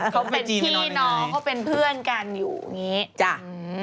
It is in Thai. เขาเป็นพี่น้องเขาเป็นเพื่อนกันอยู่อย่างงี้จ้ะ